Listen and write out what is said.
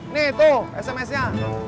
nih tuh smsnya